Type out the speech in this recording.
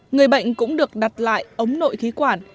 người bệnh cũng được đặt lại ống nội khí quản